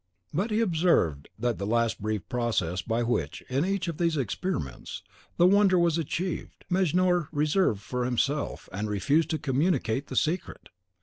But he observed that the last brief process by which, in each of these experiments, the wonder was achieved, Mejnour reserved for himself, and refused to communicate the secret.